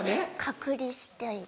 隔離したい。